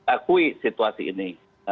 akui situasi ini